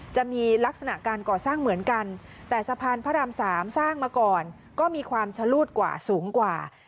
จะมีลักษณะการก่อสร้างเหมือนกันแต่สะพานพระราม๓สร้างมาก่อนก็มีความชะลูดกว่าสูงกว่า